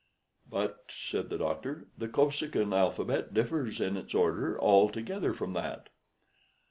"But," said the doctor, "the Kosekin alphabet differs in its order altogether from that."